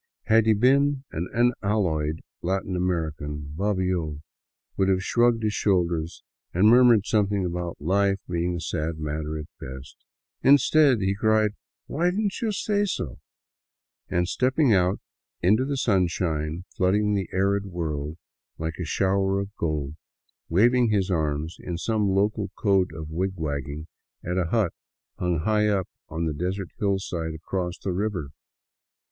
Had he been an unalloyed Latin American, Bobbio would have shrugged his shoulders and murmured something about life being a sad matter at best. Instead, he cried " Why did n't you say so ?" and, stepping out into the sunshine flooding the arid world like a shower of gold, waved his arms in some local code of wigwagging at a hut hung high up on the desert hillside across the " river."